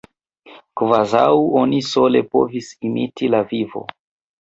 Kvazaŭ oni sole povis imiti la vivo!